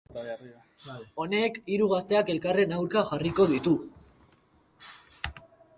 Honek hiru gazteak elkarren aurka jarriko ditu.